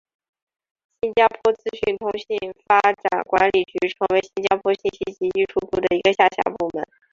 新加坡资讯通信发展管理局成为新加坡信息及艺术部的一个下辖部门。